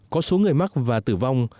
có số người mắc và tử vong